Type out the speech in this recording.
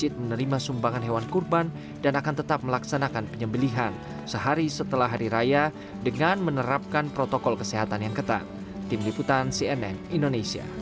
terima kasih pak presiden